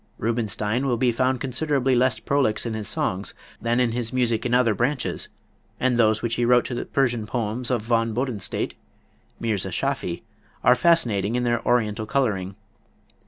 Rubinstein will be found considerably less prolix in his songs than in his music in other branches, and those which he wrote to the Persian poems of Von Bodenstedt ("Mirza Schaffy") are fascinating in their Oriental coloring.